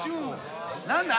何だ？